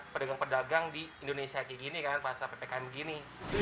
itu banyak pedagang pedagang di indonesia kayak gini kan pasal ppkm gini